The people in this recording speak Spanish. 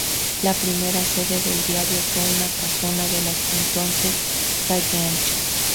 La primera sede del diario fue una casona de la entonces calle Ancha.